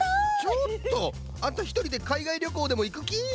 ちょっとあんたひとりでかいがいりょこうでもいくき？